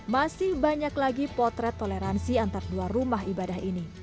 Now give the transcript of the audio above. masih banyak lagi potret toleransi antar dua rumah ibadah ini